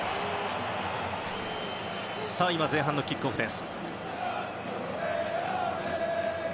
前半のキックオフです。